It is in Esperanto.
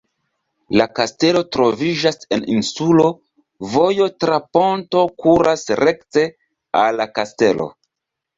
La kastelo troviĝas en insulo, vojo tra ponto kuras rekte al la kastelo.